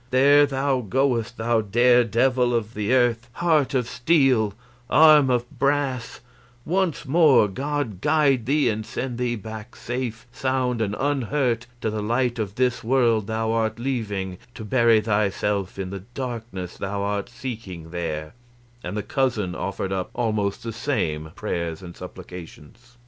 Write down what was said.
There thou goest, thou dare devil of the earth, heart of steel, arm of brass; once more, God guide thee and send thee back safe, sound, and unhurt to the light of this world thou art leaving to bury thyself in the darkness thou art seeking there;" and the cousin offered up almost the same prayers and supplications.